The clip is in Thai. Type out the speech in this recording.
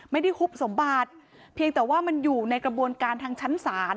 ฮุบสมบัติเพียงแต่ว่ามันอยู่ในกระบวนการทางชั้นศาล